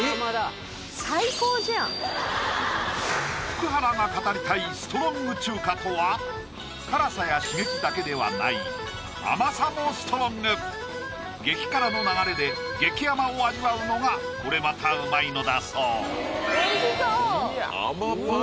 福原が語りたいストロング中華とは辛さや刺激だけではない激辛の流れで激甘を味わうのがこれまたうまいのだそう美味しそう！